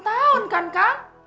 delapan tahun kan kang